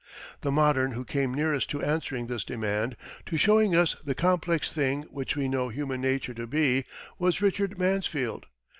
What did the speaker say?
The modern who came nearest to answering this demand, to showing us the complex thing which we know human nature to be, was Richard Mansfield.